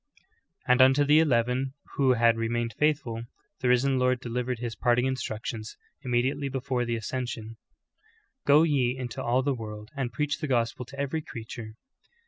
"' And unto the eleven who had remained faithful, the Risen Lord delivered His parting instructions, immediately before the ascension : "Go ye in to all the world and j)reacli the gospel to every creature."